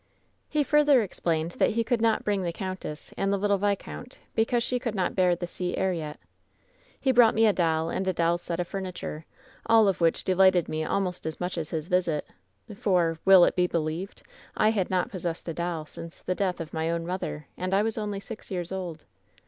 "He further explained that he could not bring the countess and the little viscoimt because she could not bear the sea air yet. "He brought me a doll and a doll's set of furniture, all of which delighted me almost as much as his visit, for — will it be believed? — I had not possessed a doll since the death of my own mother, and I was only six years old.